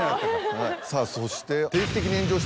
さぁそして。